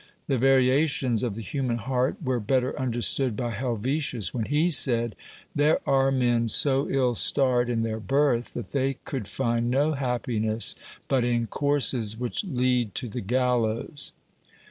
The variations of the human heart were better understood by Helvetius when he said :" There are men so ill starred in their birth that they could find no happiness but in courses which lead to the gallows."